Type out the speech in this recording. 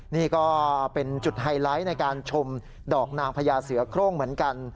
นี่ก็เป็นจุดไฮไลท์ในการชมดอกนางพญาเสือโครงเหมือนกัน